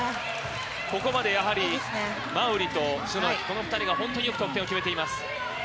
ここまでやはり、馬瓜と篠崎、この２人が本当によく得点を決めています。